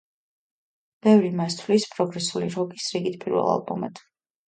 ბევრი მას თვლის პროგრესული როკის რიგით პირველ ალბომად.